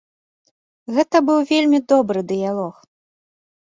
Гэта быў вельмі добры дыялог.